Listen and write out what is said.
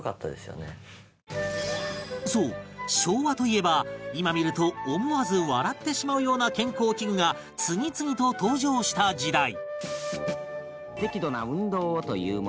そう昭和といえば今見ると思わず笑ってしまうような健康器具が次々と登場した時代